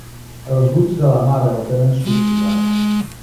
Els ulls de la mare el tenen subjugat.